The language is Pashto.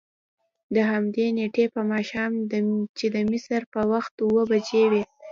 دهمدې نېټې په ماښام چې د مصر په وخت اوه بجې وې.